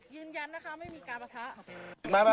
ยืนยันนะคะไม่มีการประทะ